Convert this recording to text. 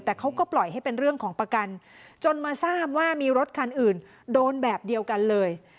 แต่เขาก็ปล่อยให้เป็นเรื่องของประกันจนมาทราบว่ามีรถคันอื่นโดนแบบเดียวกันเลย